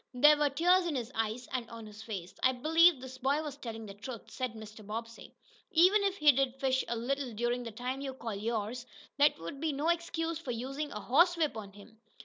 There were tears in his eyes, and on his face. "I believe this boy was telling the truth," said Mr. Bobbsey. "Even if he did fish a little during the time you call yours, that would be no excuse for using a horsewhip on him."